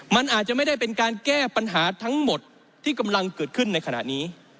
มันอาจจะไม่ได้เป็นการแก้ปัญหาทั้งหมดที่กำลังเกิดขึ้นในขณะนี้